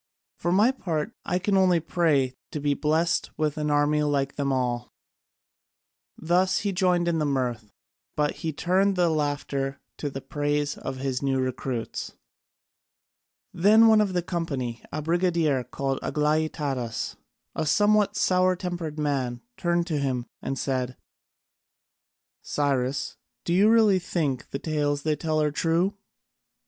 For my part I can only pray to be blest with an army like them all." Thus he joined in the mirth, but he turned the laughter to the praise of his new recruits. Then one of the company, a brigadier called Aglaïtadas, a somewhat sour tempered man, turned to him and said: "Cyrus, do you really think the tales they tell are true?"